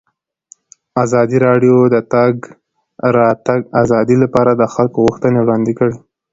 ازادي راډیو د د تګ راتګ ازادي لپاره د خلکو غوښتنې وړاندې کړي.